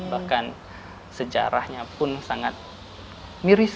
bahkan sejarahnya pun sangat miris